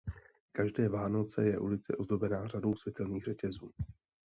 Každé Vánoce je ulice ozdobena řadou světelných řetězů.